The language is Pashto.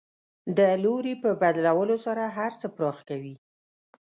د لوري په بدلولو سره هر څه پراخ کوي.